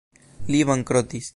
Li bankrotis.